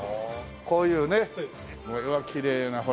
こういうね模様がきれいなほら。